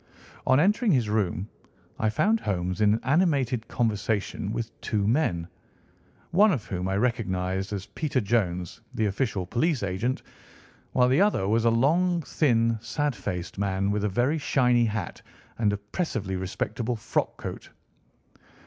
On entering his room, I found Holmes in animated conversation with two men, one of whom I recognised as Peter Jones, the official police agent, while the other was a long, thin, sad faced man, with a very shiny hat and oppressively respectable frock coat.